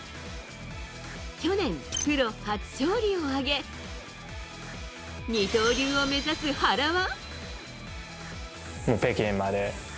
去年、プロ初勝利を挙げ二刀流を目指す原は。